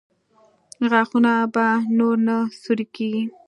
غاښونه به نور نه سوري کېږي؟